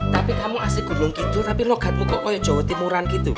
tapi kamu asli gunung kitul tapi logatmu kok kayak jawa timuran gitu